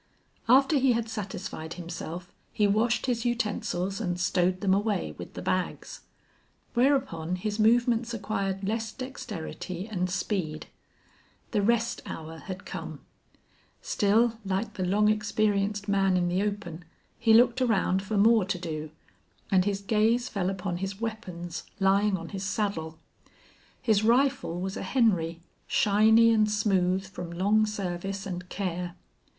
After he had satisfied himself he washed his utensils and stowed them away, with the bags. Whereupon his movements acquired less dexterity and speed. The rest hour had come. Still, like the long experienced man in the open, he looked around for more to do, and his gaze fell upon his weapons, lying on his saddle. His rifle was a Henry shiny and smooth from long service and care.